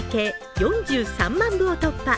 ４３万部を突破。